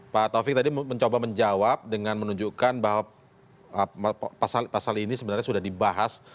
pak taufik tadi mencoba menjawab dengan menunjukkan bahwa pasal ini sebenarnya sudah dibahas